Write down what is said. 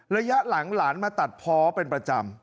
ระยะหลังหลานมาตัดเพาะเป็นประจำ